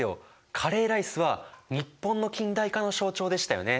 カレーライスは日本の近代化の象徴でしたよね。